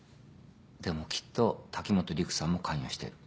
でもきっと滝本陸さんも関与している。